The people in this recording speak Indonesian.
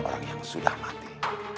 orang yang sudah mati